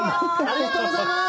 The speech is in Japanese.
ありがとうございます！